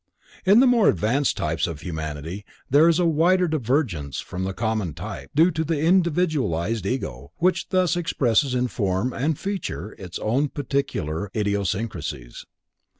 In the more advanced types of humanity there is a wider divergence from the common type, due to the individualized Ego, which thus expresses in form and feature its own particular idiosyncrasies.